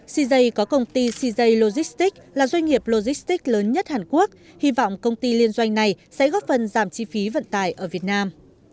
cj có công ty czik là doanh nghiệp logistics lớn nhất hàn quốc hy vọng công ty liên doanh này sẽ góp phần giảm chi phí vận tải ở việt nam